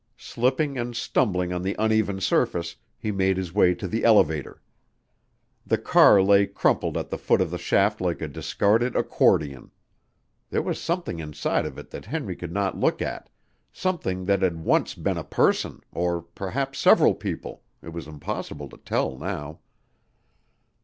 Slipping and stumbling on the uneven surface, he made his way to the elevator. The car lay crumpled at the foot of the shaft like a discarded accordian. There was something inside of it that Henry could not look at, something that had once been a person, or perhaps several people, it was impossible to tell now.